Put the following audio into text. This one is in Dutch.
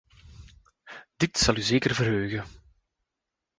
Dit zal u zeker verheugen.